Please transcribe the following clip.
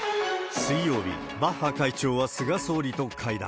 水曜日、バッハ会長は菅総理と会談。